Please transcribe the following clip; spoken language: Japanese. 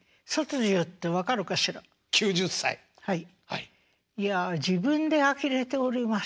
いや自分であきれております。